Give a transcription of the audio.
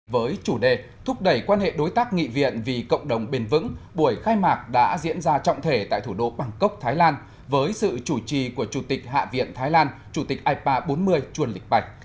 với chủ đề thúc đẩy quan hệ đối tác nghị viện vì cộng đồng bền vững buổi khai mạc đã diễn ra trọng thể tại thủ đô bangkok thái lan với sự chủ trì của chủ tịch hạ viện thái lan chủ tịch ipa bốn mươi chuân lịch bạch